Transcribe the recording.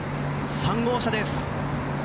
３号車です。